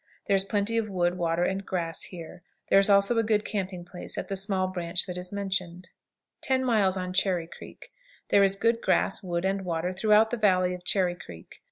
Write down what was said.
There is plenty of wood, water, and grass here. There is also a good camping place at the small branch that is mentioned. 10. On Cherry Creek. There is good grass, wood, and water throughout the valley of Cherry Creek.